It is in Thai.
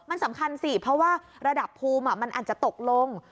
มันสำคัญสิเพราะว่าระดับภูมิมันอาจจะตกลง